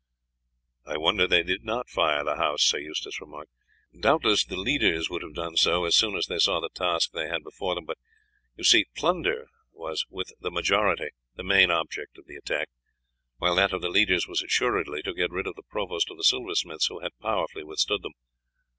"I wonder they did not fire the house," Sir Eustace remarked. "Doubtless the leaders would have done so as soon as they saw the task they had before them; but you see plunder was with the majority the main object of the attack, while that of the leaders was assuredly to get rid of the provost of the silversmiths, who had powerfully withstood them.